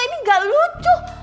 ini gak lucu